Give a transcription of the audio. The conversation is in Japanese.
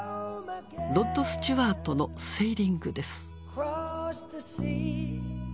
ロッド・スチュワートの「セイリング」です。